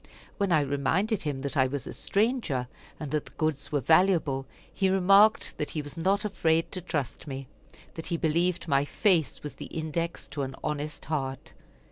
When I reminded him that I was a stranger, and that the goods were valuable, he remarked that he was not afraid to trust me that he believed my face was the index to an honest heart.